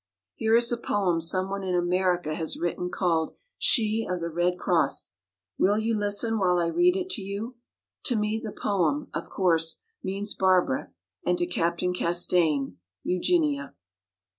"Here is a poem some one in America has written called 'She of the Red Cross.' Will you listen while I read it to you? To me the poem, of course, means Barbara and to Captain Castaigne, Eugenia."